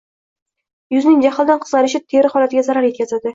Yuzning jahldan qizarishi teri holatiga zarar etkazadi.